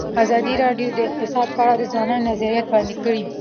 ازادي راډیو د اقتصاد په اړه د ځوانانو نظریات وړاندې کړي.